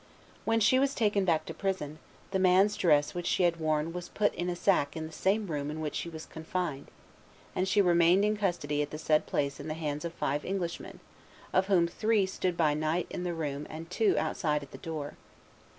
When she was taken back to prison, the man's dress which she had worn was put in a sack in the same room in which she was confined, and she remained in custody at the said place in the hands of five Englishmen, of whom three staid by night in the room and two outside at the door.